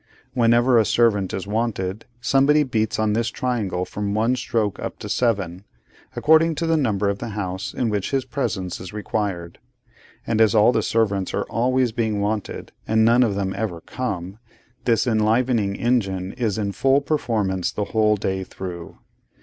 Whenever a servant is wanted, somebody beats on this triangle from one stroke up to seven, according to the number of the house in which his presence is required; and as all the servants are always being wanted, and none of them ever come, this enlivening engine is in full performance the whole day through.